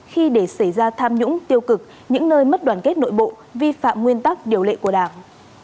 khi để xảy ra tham nhũng tiêu cực những nơi mất đoàn kết nội bộ vi phạm nguyên tắc điều lệ của đảng